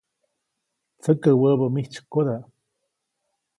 Tsäkä wäbä mijtsykoda.